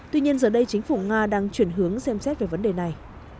tuy nhiên giờ đây chính phủ nga đang chuyển hướng xem xét về vấn đề này